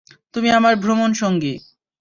তুমি আমার ভ্রমণসঙ্গী।